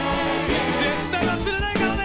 絶対忘れないからね！